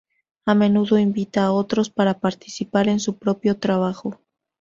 A menudo invita a otros para participar en su propio trabajo.